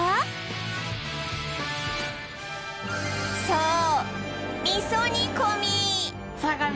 そう！